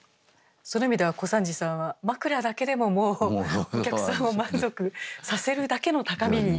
その意味では小三治さんは枕だけでももうお客さんを満足させるだけの高みに。